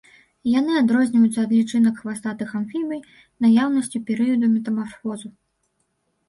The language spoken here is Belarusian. Яны адрозніваюцца ад лічынак хвастатых амфібій наяўнасцю перыяду метамарфозу.